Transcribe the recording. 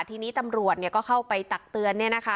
ทีนี้ตำรวจเนี้ยก็เข้าไปตักเตือนเนี้ยนะคะ